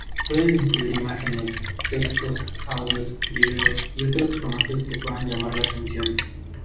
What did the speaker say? Pueden incluir imágenes, textos, audios, vídeos y otros formatos que puedan llamar la atención.